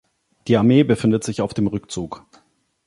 Die Armee befindet sich auf dem Rückzug.